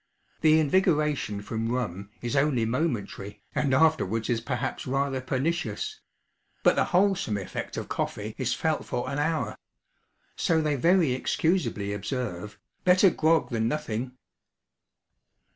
The invigoration from rum is only momentary, and afterwards is perhaps rather pernicious; but the wholesome effect of coffee is felt for an hour. So they very excusably observe, 'Better grog than nothing!'